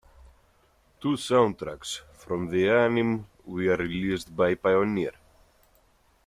Two soundtracks from the anime were released by Pioneer.